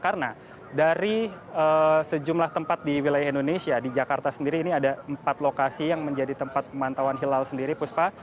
karena dari sejumlah tempat di wilayah indonesia di jakarta sendiri ini ada empat lokasi yang menjadi tempat pemantauan hilal sendiri puspa